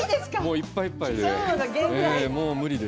いっぱいいっぱいで。